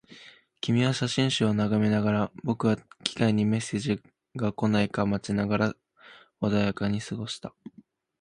君は写真集を眺めながら、僕は機械にメッセージが来ないか待ちながら穏やかに過ごした